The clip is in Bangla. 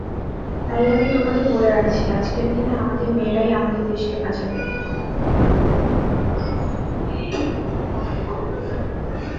তাই আমি তোমাকে বলে রাখছি আজকের দিনে আমাদের মেয়েরাই আমাদের দেশকে বাঁচাবে।